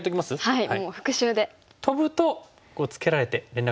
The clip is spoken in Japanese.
はい。